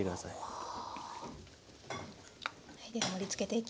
はい。